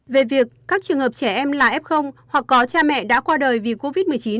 về việc các trường hợp trẻ em là f hoặc có cha mẹ đã qua đời vì covid một mươi chín